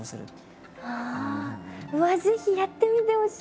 ぜひやってみてほしい！